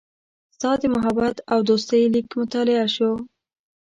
ستا د محبت او دوستۍ لیک مطالعه شو.